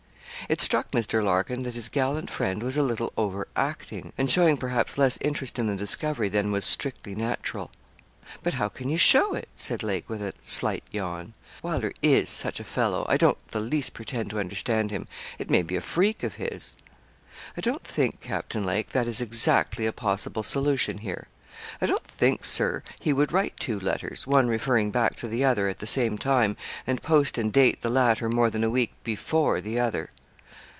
It struck Mr. Larkin that his gallant friend was a little overacting, and showing perhaps less interest in the discovery than was strictly natural. 'But how can you show it?' said Lake with a slight yawn. 'Wylder is such a fellow. I don't the least pretend to understand him. It may be a freak of his.' 'I don't think, Captain Lake, that is exactly a possible solution here. I don't think, Sir, he would write two letters, one referring back to the other, at the same time, and post and date the latter more than a week before the other.'